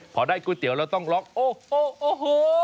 พอได้ก๋วยเตี๋ยวเราต้องล๊อคโอ้โห